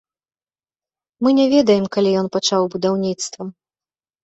Мы не ведаем, калі ён пачаў будаўніцтва.